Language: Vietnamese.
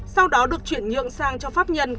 sau đó được chuyển nhượng sang cho pháp nhân